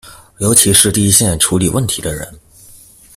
尤其是第一線處理問題的人